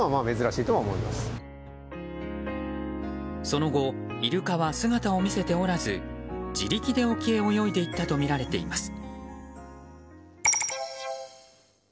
その後、イルカは姿を見せておらず自力で沖へ泳いでいったとみられています。